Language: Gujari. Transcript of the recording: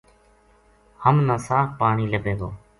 ہم نا صاف پانی لبھے گو